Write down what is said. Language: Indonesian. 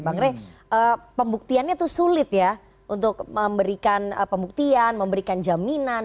bang rey pembuktiannya itu sulit ya untuk memberikan pembuktian memberikan jaminan